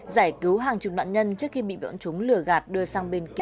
giải cứu hàng chục nạn nhân trước khi bị bọn chúng lửa gạt đưa sang bên kia